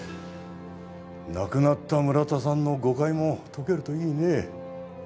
亡くなった村田さんの誤解も解けるといいね。